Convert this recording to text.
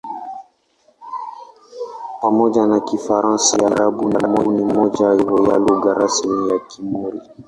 Pamoja na Kifaransa na Kiarabu ni moja ya lugha rasmi ya Komori.